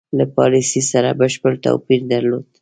له پالیسی سره بشپړ توپیر درلود.